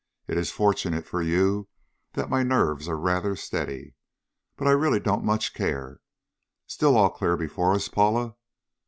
It is fortunate for you that my nerves are rather steady. But really, I don't much care.... Still all clear before us, Paula?